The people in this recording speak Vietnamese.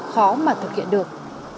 khó mà thực hiện được